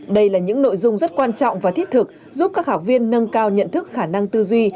đây là những nội dung rất quan trọng và thiết thực giúp các học viên nâng cao nhận thức khả năng tư duy